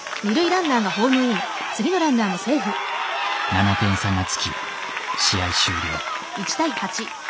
７点差がつき試合終了。